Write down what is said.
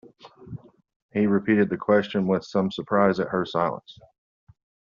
He repeated the question, with some surprise at her silence.